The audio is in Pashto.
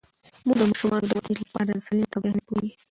مور د ماشومانو د ودې لپاره د سالمې تغذیې اهمیت پوهیږي.